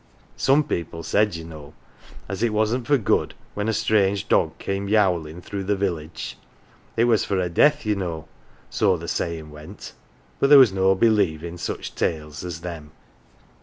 Some people said, ye know, as it wasn't for good when a strange dog came youlin' through the village it was for a death, ye know, so the sayin' went but there was no believin' such tales as them.